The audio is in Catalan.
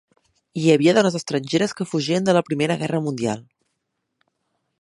Hi havia dones estrangeres que fugien de la Primera Guerra Mundial.